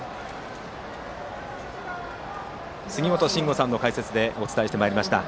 杉本真吾さんの解説でお伝えしてまいりました。